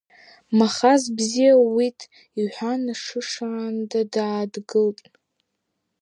Махаз, бзиа ууит, — иҳәан, ашышаанда даадгылт.